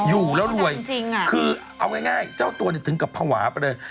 อยู่แล้วรวยจริงคือเอาง่ายเจ้าตัวถึงกับภาวะไปเลย